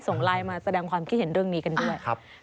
ส่งไลน์มาแสดงความคิดเห็นเรื่องนี้กันด้วย